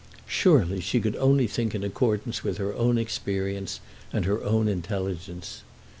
Surely she could only think in accordance with her own experience and her own intelligence!